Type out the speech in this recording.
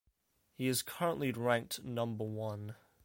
He is currently ranked number one.